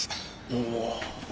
おお。